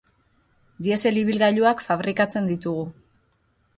Diesel ibilgailuak fabrikatzen ditugu.